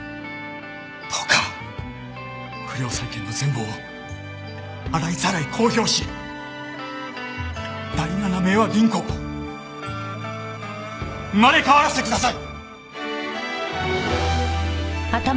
どうか不良債権の全貌を洗いざらい公表し第七明和銀行を生まれ変わらせてください！